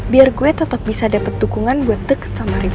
biar gue tetap bisa dapat dukungan buat deket sama riva